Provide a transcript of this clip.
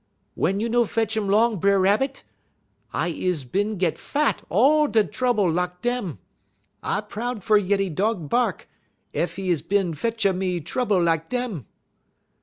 "'Wey you no fetch 'im 'long, B'er Rabbit? I is bin git fat on all da' trouble lak dem. I proud fer yeddy Dog bark, ef 'e is bin fetch a me trouble lak dem.'